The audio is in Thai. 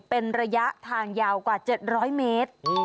เป็นระยะทางยาวกว่า๗๐๐เมตร